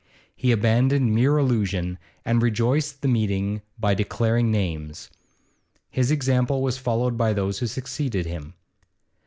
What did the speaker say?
He abandoned mere allusion, and rejoiced the meeting by declaring names. His example was followed by those who succeeded him.